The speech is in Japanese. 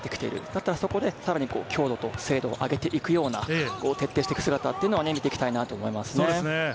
だったらそこで、さらに強度と精度を上げていくような、徹底していく姿を見ていきたいと思います。